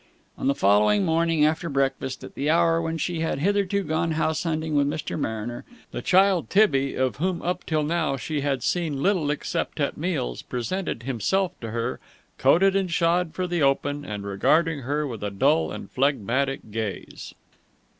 On the following morning after breakfast, at the hour when she had hitherto gone house hunting with Mr. Mariner, the child Tibby, of whom up till now she had seen little except at meals, presented himself to her, coated and shod for the open and regarding her with a dull and phlegmatic gaze.